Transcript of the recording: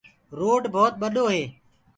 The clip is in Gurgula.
روڊ ڀوت ٻڏو هي۔